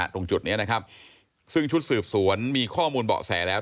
ตรงจุดนี้นะครับซึ่งชุดสืบสวนมีข้อมูลเบาะแสแล้ว